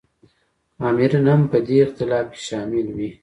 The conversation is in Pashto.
آمرین هم په دې اختلاف کې شامل وي.